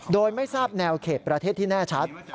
โดยไม่ทราบแนวเขตประเทศที่แน่ชัด